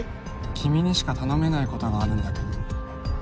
君にしか頼めないことがあるんだけど